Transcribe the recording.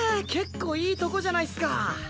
結構いいとこじゃないっすか。